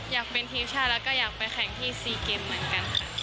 อยากเป็นทีมชาติแล้วก็อยากไปแข่งที่๔เกมเหมือนกันค่ะ